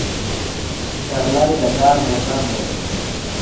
پسرلی د کار موسم دی.